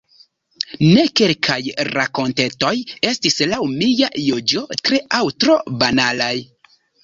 Ne, kelkaj rakontetoj estis laŭ mia juĝo tre aŭ tro banalaj.